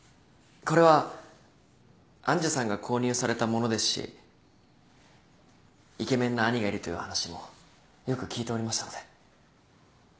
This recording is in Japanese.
これは愛珠さんが購入されたものですしイケメンな兄がいるという話もよく聞いておりましたので。